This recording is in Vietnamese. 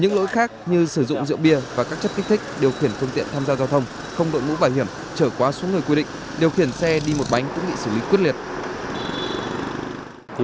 những lỗi khác như sử dụng rượu bia và các chất kích thích điều khiển phương tiện tham gia giao thông không đội mũ bảo hiểm trở quá số người quy định điều khiển xe đi một bánh cũng bị xử lý quyết liệt